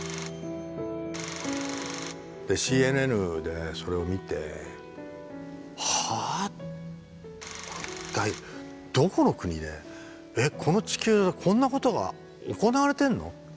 でＣＮＮでそれを見て「はあ？」。一体どこの国でえっこの地球上でこんなことが行われてるのって。